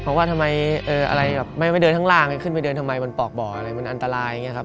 เพราะว่าทำไมอะไรแบบไม่เดินข้างล่างขึ้นไปเดินทำไมมันปอกบ่ออะไรมันอันตรายอย่างนี้ครับ